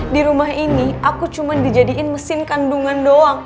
di rumah ini aku cuman dijadiin mesin kandungan doang